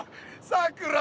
さくら